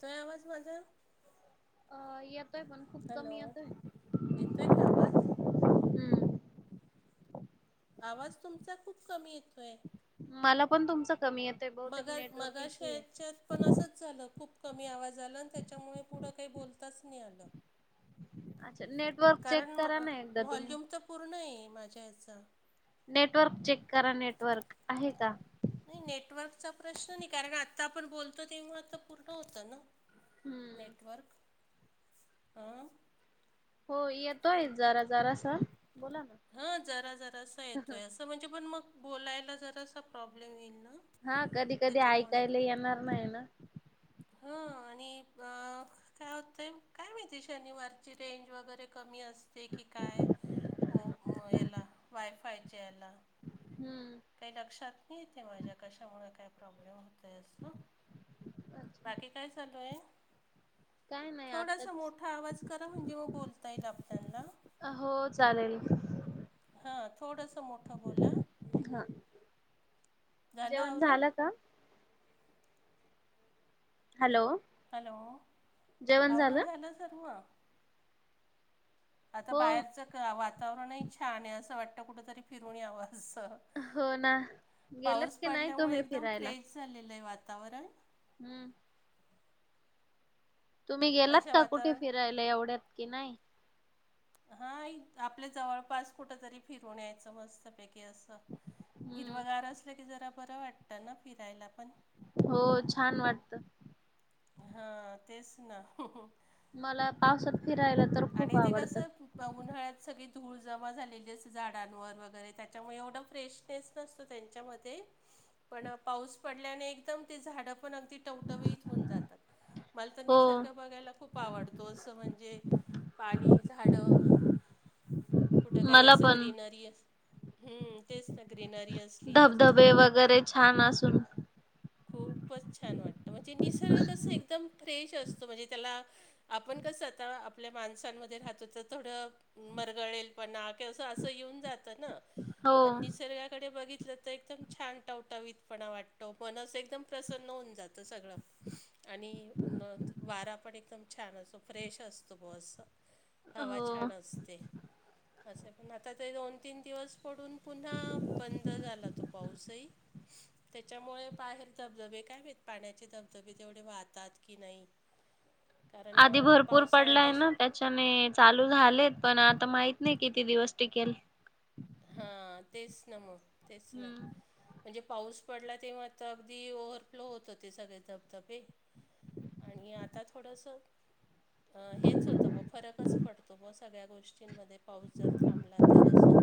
काय आवाज माझा अ येतय म्हण हॅलो येतो आहे का आवाज हम्म. आवाज तुमचा खूप कमी येतोय मला पण तुमच कमी येत मगा मगाशयाच्या पण असंच झालं खूप कमी आवाज आला आणि त्याच्यामुळे पुढं काही बोलताच नाही आलं अच्ा नेट कारण व्हॉल्यूम तर पूर्ण आहे माझ्या याचा नेटवर्क चेक करा नेटवर्क आहे का नाही नेटवर्कचा प्रश्न नाही कारण आत्ता आपण बोलतो तेव आता पूर्ण होत ना हम्म नेटवर्क आ हो येतोय जराा जरासा बोला ना हं जरा जरा असं येतोय असं म्हणजे पण मग बोलायला जरा अस प्रॉब्लेम येईल ना हा कधी कधी त्याच्यामुळे ऐकायला येणार नाही ना हा आणि काय हो ते काय माहिती शनिवारची रेंज वगैरे कमी असते असते की काय याला वायफायच्या याला हम्म काही लक्षात नाही येते माझ्या कशामुळे काय प्रॉब्लेम होत अच्छा. बाकी काय चालू आहे काय नाही थोडासा आताच मोठा आवाज करा म्हणजे मग बोलता येईल आपणला हो चालेल हा थोडस मोठ बोला हा जेवण झालं का हॅलो हॅलो वरुण झालं सरव आता हो बाहेरचं वातावरणही छान आहे असं वाटतं कुठ तरी फिरून याव असं हो ना, गेलेत की नाही तुम्ही फिरायला? चाललेलंय वातावरण हम्म तुम्ही गेलात अशा का कुठे वातावरण फिरायला एवढ्यात की नाही? हा आपल्या जवळपास कुठं तरी फिरवून यायचं मस्तपैकी असं हम्म हिरवगार असलं की जरा बरं वाटतं ना फिरायला पण हो छान वाटतं हा तेच ना मला पावसात फिरायला तर खूप आणि ते आवडतं. कसं म उन्हाळ्यात सगळी धूळ जमा झालेली असते झाडांवर वगैरे त्याच्यामुळे एवढं फ्रेशनेस त्यांच्या पण पाऊस पडल्याने एकदम ते झाड पण अगदी टवटवीत होऊन जातात मला तर हो निसर्ग बघायला खूप आवडतो असं म्हणजे पाणी झाड कुठं काही मला असं पण ग्रीनरी हम्म तेच ना ग्रीनरी असं धबधबे वगैरे छान असून खूपच छान वाटतं म्हणजे निसर्ग कसं एक एकम फ्रेश असतो म्हणजे त्या आपण कसं आ आपल्या माणसांमध्ये राहतो तर थोडं मरगळेलपणा किस असं येऊन जात ना हो पण निसर्गाकडे बघितलं. एकदम छान टवटावीतपणा वाटतो मनस एकदम प्रसन्न होऊन जातं सगळं. आणि न वारा पण एकदम छान असतो फ्रेश असतो. ब हवा छान हो. असते. असं पण आता ते दोन तीन दिवस पडून पुन्हा बंद झाला तो पाऊसही त्याच्यामुळे बाहेर धबधबे काय होेत पाण्याचे धबधबे तेवढे वाहतात की नाही. कारण आधी भरपूर पावसाळ्यात पडलाय ना त्याच्याने चालू झालेत पण आता माहित नाही किती दिवस टिकेल हा तेच ना मग तेच ना हम्म म्हणजे पाऊस पडला तेव्हा आता अगदी ओव्हरफ्लो होत हो ते सगळे धबधबे आणि आता थोडस हेच होतं ब फरकच पडतो ब सगळ्या गोष्टींमध्ये पाऊस जर थांबला तर असं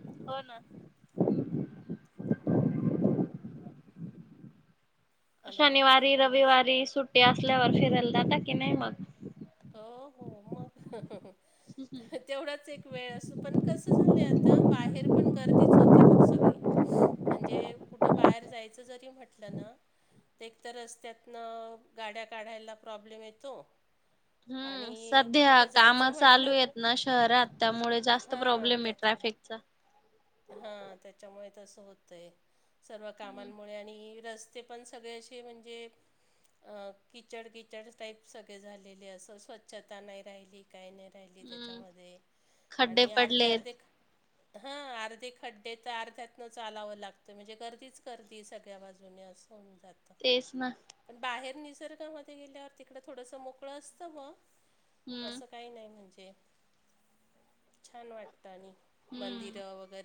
हो ना हॅलो शनिवारी आवाज रविवारी सुट्टी असल्यावर फिरायला जाता की नाही मग? हो हो मग तेवढाच एक वेळ पण कसं झालंय आता बाहेर पण गर्दीच होते मग सगळी म्हणजे कुठं बाहेर जायचं जरी म्हटलं ना ते एक तर रस्त्यातनं गाड्या काढायला प्रॉब्लेम येतो. हम्म आणि सध्या कुठं काम जायचं म्हटलं चालू आहेत ना शहरात त्यामुळे जास्त प्रॉब्लेम आहे ट्रॅफिकचा हा त्याच्यामुळे तसं होत आहे सर्व हम्म कामांमुळे आणि रस्ते ते पण सगळे असे म्हणजे अ किचड किचड टाईप सगळे झालेले असं स्वच्छता नाही राहिली. त्या हम्म खड्डे पडलेत अ [unintelligible] अर्धे खड्डे तर अर्ध्यातन चालावं लागतं म्हणजे गर्दीच गर्दी सगळ्या बाजूने अस होन जातं. तेच ना पण बाहेर निसर्गामध्ये गेल्यावर तिकडं थोडस मोकळं असतं मग हम्म असं काही नाही म्हणजे छान वाटत आणि हम्म मंदिरं वगैर ते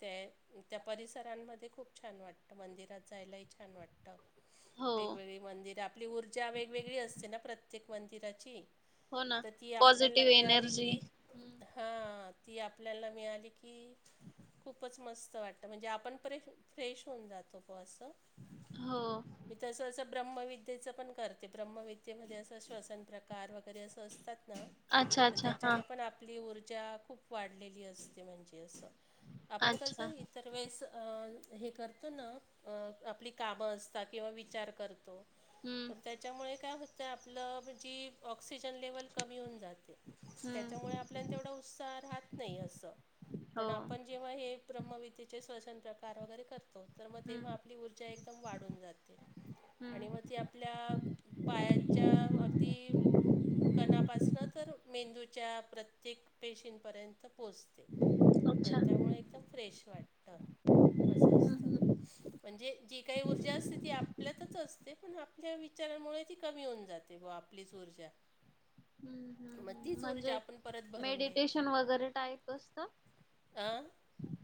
त्या त्या परिसरांमध्ये खूप छान वाटतं मंदिरात जायलाही छान वाटतं. हो वेगवेगळी मंदिर आपली ऊर्जा वेगवेगळी असते ना प्रत्येक मंदिराची. हो ना तर ती आपल्याला पॉझिटिव्ह मिळाली एनर्जी की हम्म हा ती आपल्याला मिळाली की. खूपच मस्त वाटत म्हणजे आपण परे फ्रेश होऊन जातो पो असं. हो मी तसं असं ब्रह््हमविद्येचं पण करते ब्रह्मविद्येमध्ये असं श्वसन प्रकार वगैरे असं असतात ना. अच्छा तर अच्छा हा त्याच्याने पण आपली ऊर्जा खूप वाढलेली असते म्हणजे असं. आपण अच्छा कसं इतर वेळेस हे करतो ना. अ आपली कामं असतात किंवा विचार करतो. हम्म पण त्याच्यामुळे काय होतं आपलं म्हणजे ऑक्सिजन लेवल कमी होऊन जात. हम्म त्याच्यामुळे आपल्या तेवढा उत्साह राहत नाही अस हो पण आपण जेव्हा हे ब्रह्मविदेचे श्वसन प्रकार वगैरे करतो. तर मग तेव्हा हम्म आपली ऊर्जा एकदम वाढून जाते आणि हम्म मग ती आपल्या पायाच्या अगदी कणापासन तर मेंदूच्या प्रत्येक पेशींपर्यंत पोहोचते. अच्छा आणि त्यामुळे एकदम फ्रेश वाटतं असं हम्म असतं. हम्म हम्म म्हणजे जी काही ऊर्जा असते ती आपल्यातच असते पण आपल्या विचारांमुळे ती कमी होऊन जाते. [unintelligible] हीच ऊर्जा. हम्म मग हम् ह् तीच म्हणजे ऊर्जा आपण परत भरून मेडिटेशन वगैरे टाईप आसत. आं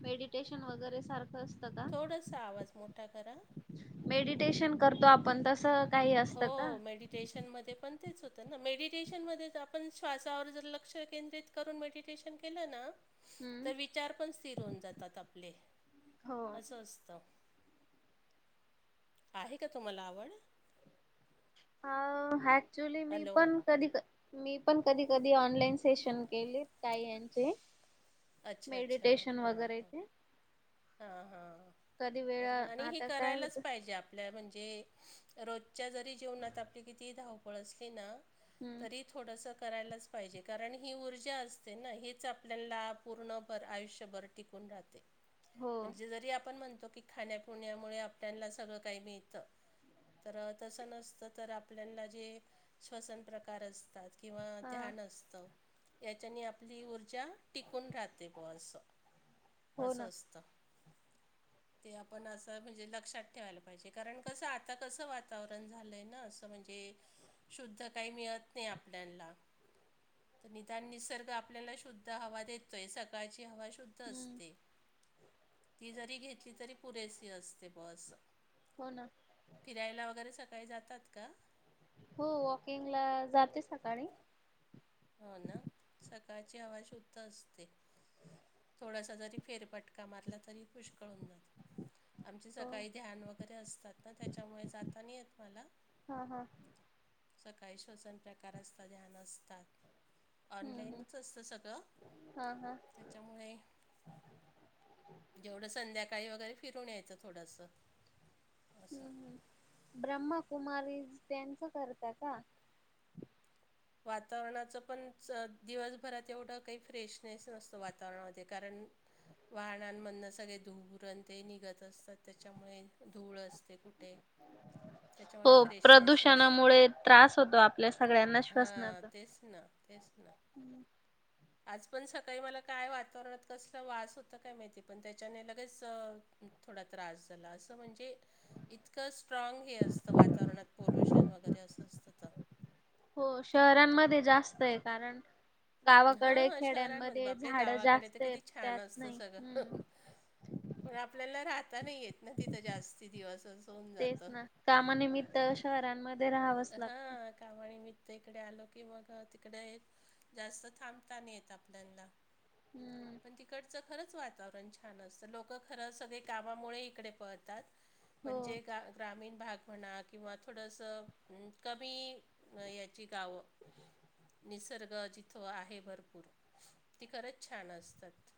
मेडिटेशन वगैरे सारखं असतात. थोडासा आवाज मोठा करा. मेडिटेशन करतो आपण तस. हो मेडी टेशनमध्ये पण तेच होतं ना मेडिटेशनमध्येच आपण श्वासावर जर लक्ष केंद्रित. मेडटेशन केलं ना. हम्म तर विचार पण स्थिर होऊन जातात आपले हो असं असतं. आहे का तुम्हाला आवड? अ ऍक्च्युली मी हॅलो. पण कधी कधी मी पण कधी कधी ऑनलाईन सेशन केले. काही यांचे अच्छा अच्छा मेडिटेशन हां वगैरे हा. ते हा हा कधी वेळ बरोबर आणि हे आता काय करायलाच होत पाहिजे आप. आपल्या म्हणजे रोजच्या जरी जीवनात आपली किती धावपळ असली ना हम्म तरी थोडसं करायलाच पाहिजे कारण ही ऊर्जा अस. ना हेच आपल्याला पूर्णभर आयुष्यभर टिकून राहते. हो म्हणजे जरी आपण म्हणतो की खाण्यापिण्यामुळे आपल्याला सगळं काही मिळतं. तर तसं नसतं तर आपल्याला जे श्वसन प्रकार असतात. किंवा हा ध्यान असतं याच्याने आपली ऊर्जा टिकून राहते ब असं हो असं ना असतं. ते आपण असं म्हणजे लक्षात ठेवायला पाहिजे कारण कसं आता कसं वातावरण झालंय ना असं. म्हणजे शुद्ध काही मिळत नाही आपल्याला. निदान निसर्ग आप आपल्याला शुद्ध हवा देतोय सकाळची हवा शुद्ध हम्म असते. ती जरी घेतली तरी पुरेस असते बुवा अस. हो ना फिरायला वगैरे सकाळी जातात का? हो वॉकिंग ला जाते सकाळी. हो ना सकाळची आवाज शुद्ध असते. थोडासा जरी फेरपटका मारला तरी पुष्कळ होऊन जात. आमचे हो सकाळी ध्यान वगैरे असतात ना त्याच्यामुळे जाता नाहीय मला. हा हा सकाळी श्वसन प्रकार असतात ध्यान असतात हम्म हम्म ऑनलाईनच असतं सगळं हा हा त्याच्यामुळे जेवढं संध्याकाळी वगैरे फिरून यायचं थोडस हम्म असं हम्म ब्रह्मकुमारी त्यांच करत का वातावरणाचं पण दिवसभरात एवढं काही फ्रेशनेस नसतं वातावरणामध्ये कारण वाहनांमधनं सगळे धुरण ते निघत असतात त्याच्यामुळे धूळ असते कुठे त्याच्यामुळे हो फ्रेशनेस नसतं प्रदूषणामुळे त्रास होतो आपल्या सगळ्यांना हां श्वसनाचा तेच ना तेच ना आज पण सकाळी मला काय वातावरणात कसला वास होता काय माहिती पण त्याच्याने लगेच थोडा त्रास झाला असं म्हणजे इतकं स्ट्राग हे असतं वातावरणात पोल्युशन वगैरे असं असतं तर हो शहरांमध्ये जास्त आहे कारण हां गावाकडे हां शहरांमध्ये खेड्यांमध्ये बापरे झाड गावाकडे तर जास्त आहेत किती छान त्यात असतं नाही सगळं हम्म पण आपल्याला राहता नाही येत ना तिथं जास्ती दिवस होऊन तेच जातं. ना कामानिमित्त शहरांमध्ये राहावंच हा लागतं कामा आणि मित्र इकडे आलो की मग तिकडे आहेत जास्त थांबता नाही येत आपल्याला हम्म. पण तिकड च खरंच वातावरण छान असतं लोक खरं सगळे कामामुळे इकडे पळतात हो पण जे ग ग्रामीण भाग म्हणा किंवा थोडसं कमी ा निसर्ग जिथ आहे भरपूर ती खरंच छान असतात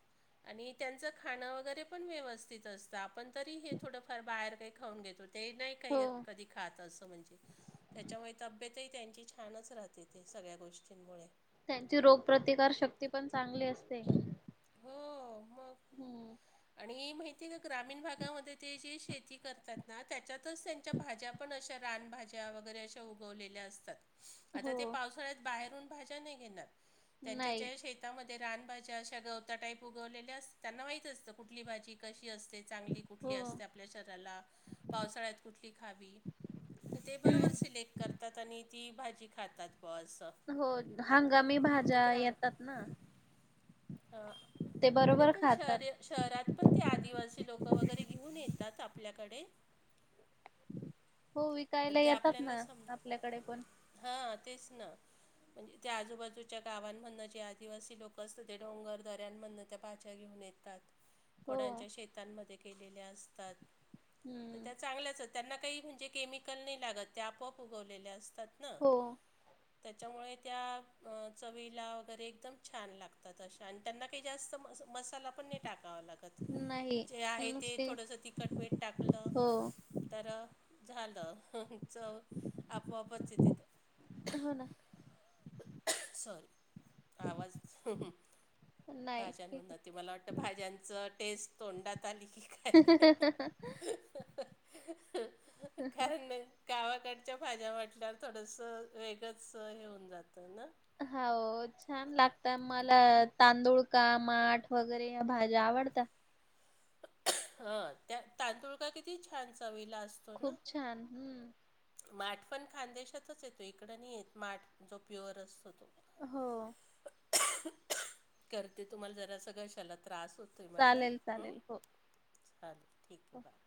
आणि त्यांचं खाणं वगैरे पण व्यवस्थित असतं आपण तरी हे थोडंफार बाहेर काही खाऊन घेतो ते नाही हो काही कधी खातं असं म्हणजे त्याच्यामुळे तब्येतही त्यांची छानच राहते ते सगळ्या गोष्टींमुळे त्यांची रोग प्र्रतिकार शक्ती पण चांगली असते हो मग हम्म. आणि माहिती प्र्य ग्रामीण भागामध्ये ते जी शेती करतात ना त्याच्यातच त्यांच्या भाज्या आपण अशा रानभाज्या वगैरे अशा उगवलेल्या असतात आता ते हो पावसाळ्यात बाहेरून भाज्या नाही घेणार त्यांच्या नाही ज श तामध्ये रान भाज्या अशा ग टाईप उगवलेल्या अस त्यांना माहीितचतं कुठली भाजी कशी असते चांगली कुठली हो. असते आप आपल्या शरीराला पावसाळ्यात कुठली खावी तर ते बरोबर सिलेक्ट करतात आणि ती भाजी खातात ब असं हो हंगामी तर ते भाज्या येतात ना ह ते इकडे बरोबर पण खातात. शार शहरात पण ते आदिवासी लोक वगैरे घेऊन येतात आपल्याकडे हो विकायला येतात ना आपल्याकडे पण हा तेच ना म्हणजे त्या आजूबाजूच्या गावां म्हणं जे आदिवासी लोक असतं ते डोंगर दऱ्यां म्हण त्या भाज्या घेऊन येतात हो कोड्यांच्या शेतांमध्ये केलेल्या असतात तर हम्म. त्या चांगल्याच त्यांना काही म्हणजे केमिकल नाही लागत ते आपोआप उगवलेले असतात ना हो त्याच्यामुळे त्या चवीला वगैरे एकदम छान लागतात अश त्यांना काही जास्त म मसाला पण नाही टाकावा लागत नाही जे आहे ते नुसती थोडंस तिखट वेट टाकलं हो तर झालं च आपोआपचच तिथे हो ना सॉरी आवाज नाही राज ठीक म्हात आहे. त मला वाटतं भाज्यांचं टेस्ट तोंडात आली की काय काय नाही. गावाकडच्या भाज्या म्हटल्यावर थोडस वेगळच हे होऊन जातं ना. हो छान लागतात मला तांदुळ का माठ वगैरे भाज्या आवडतात. हा त्या तांदुळ का किती छान चवीला असत खूप छान. माठ पण खानदेशातच येतो इकड नाही येत माठ जो प्युअर असतो तो हो. करते तुम्हाला जरासा घशाला त्रास होत तु माझा चालेल हमम चालेल हो हा ठीक हो. आहे बाय.